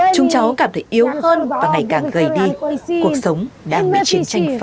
chúng cháu cảm thấy yếu hơn và ngày càng gầy đi cuộc sống đang bị chiến tranh phá hoại